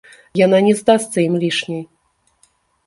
Яна не здасца ім лішняй.